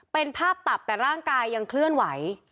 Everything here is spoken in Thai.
เป็นภาพตับแต่ร่างกายยังเคลื่อนไหว